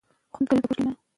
که لیکوال وي نو فکر نه مري.